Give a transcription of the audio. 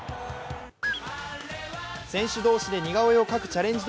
選手同士で似顔絵を描くチャレンジ